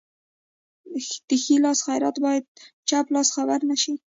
د ښي لاس خیرات باید چپ لاس خبر نشي.